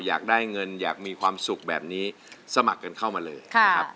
อยากได้เงินอยากมีความสุขแบบนี้สมัครกันเข้ามาเลยนะครับ